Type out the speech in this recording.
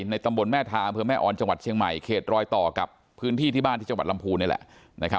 ในตำบลแม่ทาอำเภอแม่ออนจังหวัดเชียงใหม่เขตรอยต่อกับพื้นที่ที่บ้านที่จังหวัดลำพูนนี่แหละ